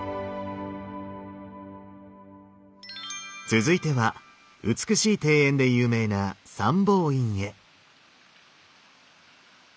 続いては美しい庭園で有名な三宝院へ。